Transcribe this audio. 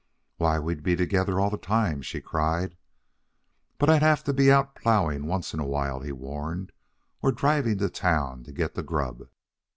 "Why, we'd be together all the time!" she cried. "But I'd have to be out ploughing once in a while," he warned, "or driving to town to get the grub."